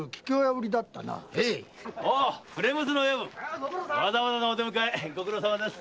わざわざお出迎えご苦労さまです。